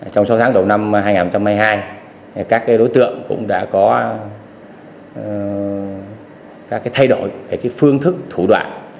trong sáu tháng đầu năm hai nghìn hai mươi hai các đối tượng cũng đã có các thay đổi về phương thức thủ đoạn